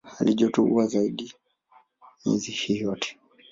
Halijoto huwa juu zaidi miezi hii yote.